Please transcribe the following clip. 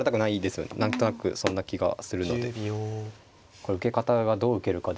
これ受け方がどう受けるかですね。